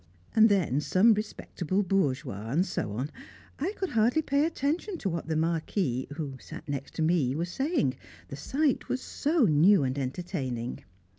And then some respectable bourgeois, and so on. I could hardly pay attention to what the Marquis, who sat next me, was saying, the sight was so new and entertaining.